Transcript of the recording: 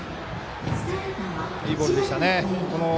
いいボールでしたね。